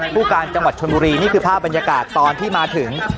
ผู้การจังหวัดชนบุรีนี่คือภาพบรรยากาศตอนที่มาถึง